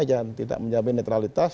dan tidak menjamin netralitas